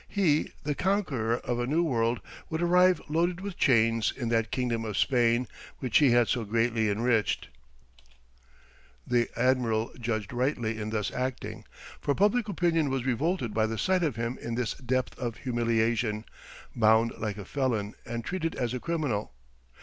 He, the conqueror of a new world, would arrive loaded with chains in that kingdom of Spain, which he had so greatly enriched! [Illustration: Columbus bound like a felon.] The admiral judged rightly in thus acting, for public opinion was revolted by the sight of him in this depth of humiliation, bound like a felon, and treated as a criminal.